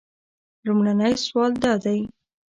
لومړنی سوال دا دی.